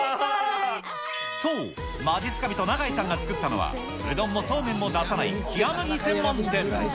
そう、まじっすか人、永井さんが作ったのは、うどんもそうめんも出さない、冷や麦専門店。